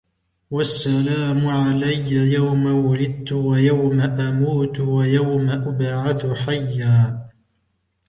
والسلام علي يوم ولدت ويوم أموت ويوم أبعث حيا